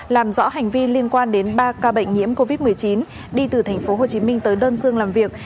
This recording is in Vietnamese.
làm rõ hành vi liên quan đến ba ca bệnh nhiễm covid một mươi chín đi từ tp hcm tới đơn dương làm việc